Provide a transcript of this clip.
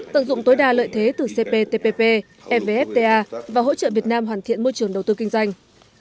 tận dụng tối đa lợi thế từ cptpp fvfta và hỗ trợ việt nam hoàn thiện môi trường đầu tư kinh doanh